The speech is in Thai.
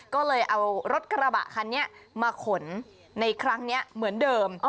ก็เลยเอารถกระบะคันนี้มาขนในครั้งนี้เหมือนเดิม